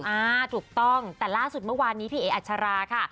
อ่าถูกต้องแต่ล่าสุดเมื่อวานนี้พี่เอ๋อัชราค่ะ